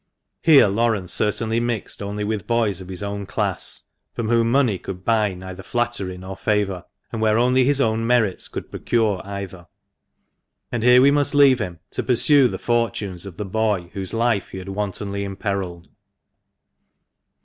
Here Laurence certainly mixed only with boys of his own class, from whom money could buy neither flattery nor favour, and where only his own merits could procure either. And here we must leave him, to pursue the fortunes of the boy whose life he had wantonly imperilled.